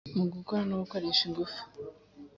mu gukora no gukoresha ingufu (smart energy systems)